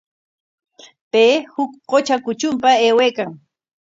Pay huk qutra kutrunpa aywaykan.